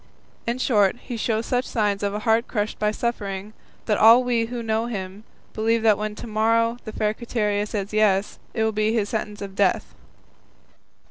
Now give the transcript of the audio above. In short, he shows such signs of a heart crushed by suffering, that all we who know him believe that when to morrow the fair Quiteria says 'yes,' it will be his sentence of death."